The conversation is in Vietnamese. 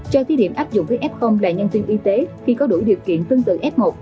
cho thí điểm áp dụng với f là nhân viên y tế khi có đủ điều kiện tương tự f một